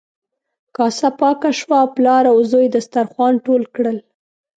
کاسه پاکه شوه او پلار او زوی دسترخوان ټول کړل.